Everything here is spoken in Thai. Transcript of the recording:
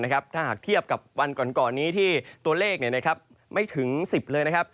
ถ้าหากเทียบกับวันก่อนนี้ที่ตัวเลขไม่ถึง๑๐เลยนะครับ